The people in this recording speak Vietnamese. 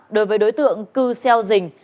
đối với đối tượng cư xeo dình